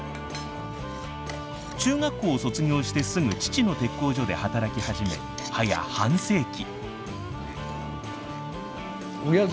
中学校を卒業してすぐ父の鉄工所で働き始めはや半世紀。